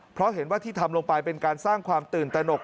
เพราะเห็นว่าที่ทำลงไปเป็นการสร้างความตื่นตนก